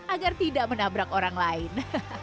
agar tidak menabrak orang lain